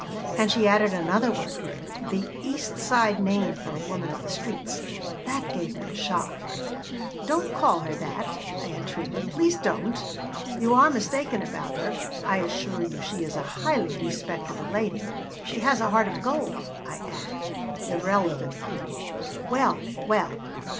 And she added another word the East Side name for a woman of the streets that gave me a shock "Don't call her that," I entreated. "Please don't. You are mistaken about her. I assure you she is a highly respectable lady. She has a heart of gold," I added, irrelevantly "Well, well!